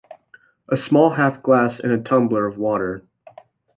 A small half-glass in a tumbler of water.